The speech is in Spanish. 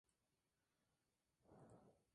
Obras en escuelas públicas de todo el país.